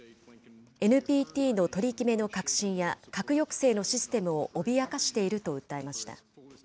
ＮＰＴの取り決めの核心や、核抑制のシステムを脅かしていると訴えました。